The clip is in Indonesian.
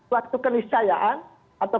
waktu kenisayaan atau